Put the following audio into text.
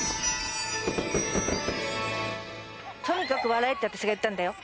とにかく笑えって私がいったんだよ